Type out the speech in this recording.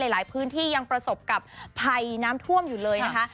หลายพื้นที่ยังประสบกับภัยน้ำท่วมอยู่เลยนะคะ